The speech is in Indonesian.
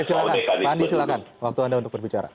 oke silakan pandi silakan waktu anda untuk berbicara